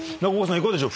いかがでしょう？